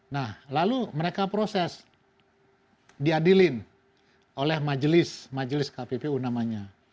nah lalu mereka proses diadilin oleh majelis majelis kppu namanya